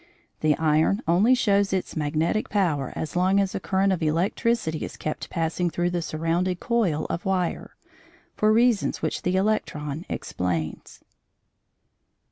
The iron only shows its magnetic power as long as a current of electricity is kept passing through the surrounding coil of wire, for reasons which the electron explains.